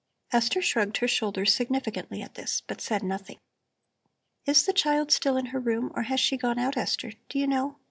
Esther shrugged her shoulders significantly at this, but said nothing. "Is the child still in her room or has she gone out, Esther, do you know?